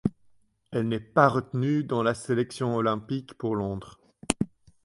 Elle n'est pas retenue dans la sélection olympique pour Londres.